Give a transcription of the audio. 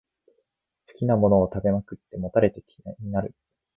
好きなものを食べまくって、もたれて嫌いになる